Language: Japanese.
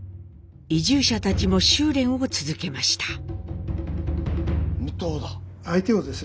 移住者たちも修練を続けました。